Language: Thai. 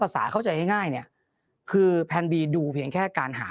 เข้าใจง่ายเนี่ยคือแพนบีดูเพียงแค่การหา